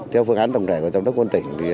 theo phương án đồng thể của chống đốc quân tỉnh